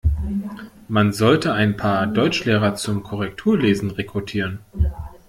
Man sollte ein paar Deutschlehrer zum Korrekturlesen rekrutieren.